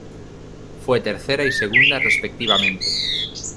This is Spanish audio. Fue tercera y segunda respectivamente.